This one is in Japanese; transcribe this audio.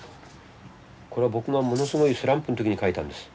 これは僕がものすごいスランプの時に描いたんです。